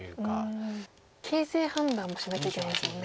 形勢判断もしなきゃいけないですもんね。